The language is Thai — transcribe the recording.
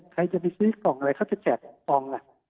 ใครจะไปซื้อกล่องอะไรเขาจะแจกฟองล่ะ